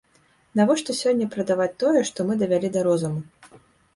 Навошта сёння прадаваць тое, што мы давялі да розуму?